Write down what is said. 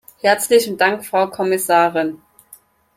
Herzlichen Dank, Frau Kommissarin.